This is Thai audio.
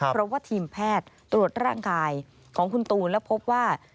เพราะว่าทีมแพทย์ตรวจร่างกายของคุณตูนแล้วพบว่า